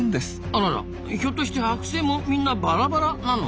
あららひょっとしてはく製もみんなバラバラなの？